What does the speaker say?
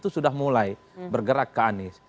itu sudah mulai bergerak ke anies